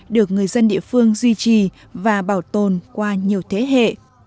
được người dân địa phương duy trì và bảo tồn qua nhiều thế hệ